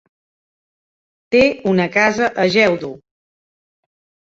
Té una casa a Geldo.